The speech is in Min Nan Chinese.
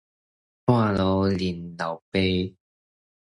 半路認老爸